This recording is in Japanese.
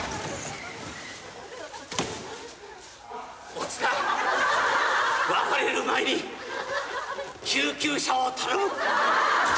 おツタ別れる前に救急車を頼む。